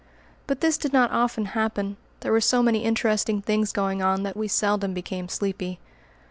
But this did not often happen; there were so many interesting things going on that we seldom became sleepy.